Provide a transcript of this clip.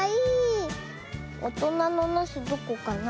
おとなのなすどこかな？